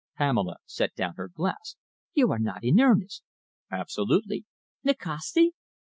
Pamela set down her glass. "You are not in earnest!" "Absolutely." "Nikasti?"